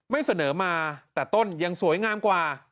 ไม่เสนอมาแต่ต้นยังสวยงามกว่า